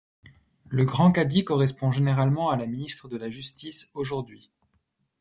Le Grand Cadi correspond généralement à la ministre de la Justice aujourd'hui.